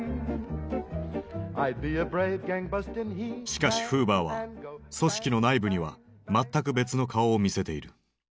しかしフーバーは組織の内部には全く別の顔を見せている。